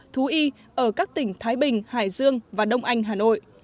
thú y ở các tỉnh thái bình hải dương và đông anh hà nội